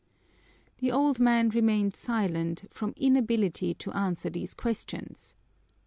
The old man remained silent from inability to answer these questions.